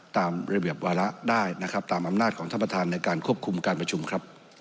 ตามระเบียบวาระได้นะครับตามอำนาจของท่านประธานในการควบคุมการประชุมครับ